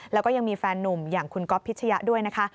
แล้วก็ยังมีแฟนหนุ่มอย่างคุณก๊อฟพิชยะด้วยนะคะ